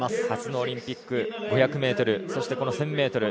初のオリンピック５００ｍそして１０００ｍ。